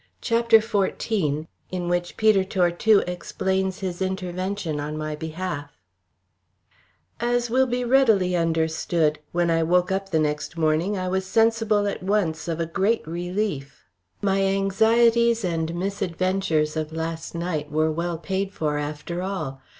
CHAPTER XIV IN WHICH PETER TORTUE EXPLAINS HIS INTERVENTION ON MY BEHALF As will be readily understood, when I woke up the next morning I was sensible at once of a great relief. My anxieties and misadventures of last night were well paid for after all.